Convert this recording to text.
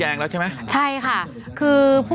แฮปปี้เบิร์สเจทู